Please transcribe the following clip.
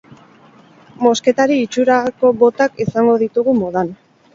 Mosketari itxurako botak izango ditugun modan.